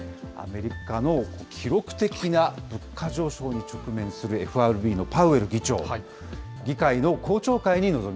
アメリカの記録的な物価上昇に直面するＦＲＢのパウエル議長。